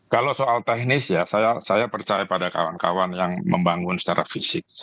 kalau soal teknis ya saya percaya pada kawan kawan yang membangun secara fisik